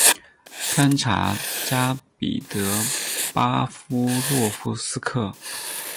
堪察加彼得巴夫洛夫斯克。